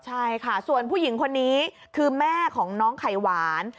ใช่ค่ะส่วนผู้หญิงคนนี้คือแม่ของน้องไข่หวาน